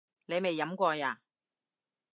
你未飲過呀？